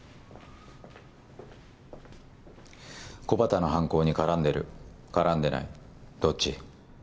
木幡の犯行に絡んでる絡んでないどっち？